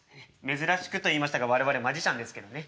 珍しくと言いましたが我々マジシャンですけどね。